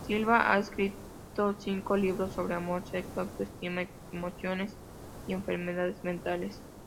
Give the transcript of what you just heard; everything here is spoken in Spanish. Silvia ha escrito cinco libros sobre amor, sexo, autoestima, emociones y enfermedades mentales.